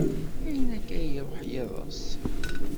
Ayen akka i yi-iruḥ yiḍes?